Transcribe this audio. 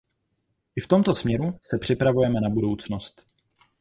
I v tomto směru se připravujeme na budoucnost.